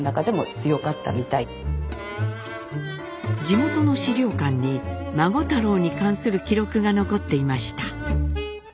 地元の資料館に孫太郎に関する記録が残っていました。